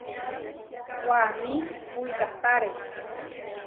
Waní wikahtáre.